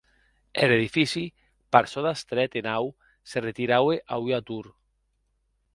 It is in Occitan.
Er edifici, per çò d’estret e naut, se retiraue a ua tor.